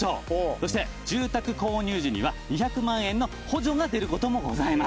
そして住宅購入時には２００万円の補助が出ることもございます。